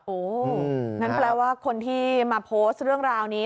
งั้นแปลว่าคนที่มาโพสต์เรื่องราวนี้